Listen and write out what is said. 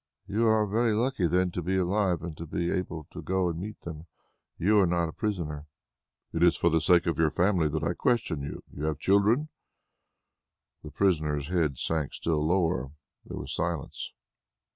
"You are very lucky then to be alive, and to be able to go and meet them. You are not a prisoner." "It is for the sake of your family that I question you. You have children?" The prisoner's head sank still lower. There was silence.